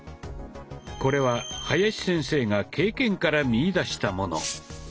これは林先生が経験から見いだしたもの。